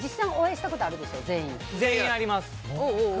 全員あります。